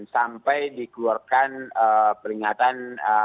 sampai dikeluarkan peringatan